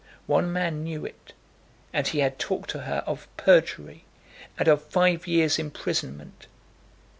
One man knew it, and he had talked to her of perjury and of five years' imprisonment.